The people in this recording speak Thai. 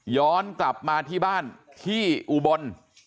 ย้อนกลับมาที่บ้านที่อุบล